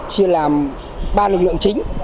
chia làm ba lực lượng chính